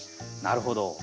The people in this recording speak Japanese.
なるほど。